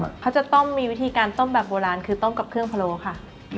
เขาจะต้มมีวิธีการต้มแบบโบราณคือต้มกับเครื่องพะโลค่ะ